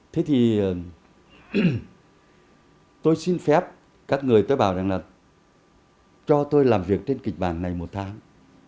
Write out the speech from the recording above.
thế thì tôi xin phép các người tôi bảo rằng là cho tôi làm việc trên kịch bản này một tháng